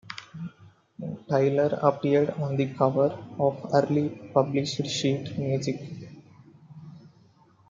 Taylor appeared on the cover of early published sheet music.